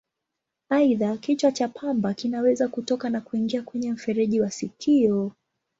Aidha, kichwa cha pamba kinaweza kutoka na kuingia kwenye mfereji wa sikio.